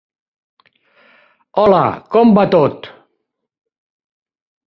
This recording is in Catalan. Hola, com va tot?